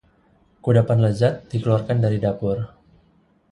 Kudapan lezat dikeluarkan dari dapur